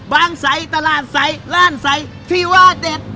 บางไสตลาดไสร่านไสที่ว่าเด็ด